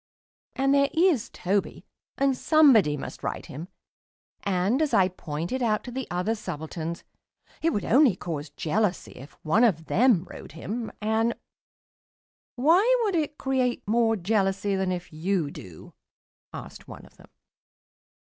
And there is Toby, and somebody must ride him, and, as I point out to the other subalterns, it would only cause jealousy if one of them rode him, and " "Why would it create more jealousy than if you do?" asked one of them.